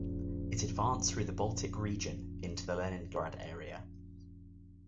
It advanced through the Baltic region into the Leningrad area.